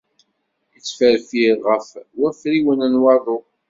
Ittferfir ɣef wafriwen n waḍu.